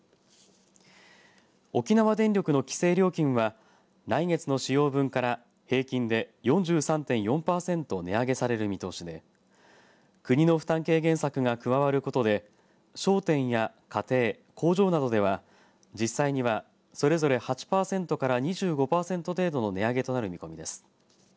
沖縄電力の規制料金は来月の使用分から平均で４３．４パーセント値上げされる見通しで国の負担軽減策が加わることで商店や家庭、工場などでは実際には、それぞれ８パーセントから２５パーセント程度の値上げとなる見込みです。